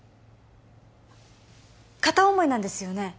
片思いなんですよね